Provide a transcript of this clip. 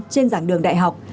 trên giảng đường đại học